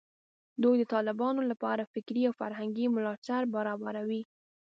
دوی د طالبانو لپاره فکري او فرهنګي ملاتړ برابروي